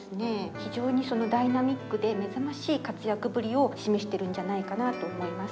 非常にそのダイナミックで目覚ましい活躍ぶりを示してるんじゃないかなと思います。